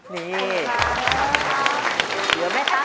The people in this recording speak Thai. เสียบรรยาภาพ